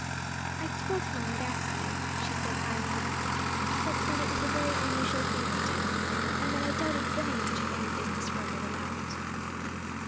"I told him I would ask you," she said, finally; "but that it was a very unusual thing to do, and that I doubted very much if any business firm would allow it."